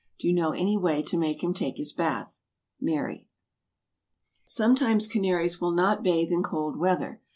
Do you know any way to make him take his bath? MARY. Sometimes canaries will not bathe in cold weather.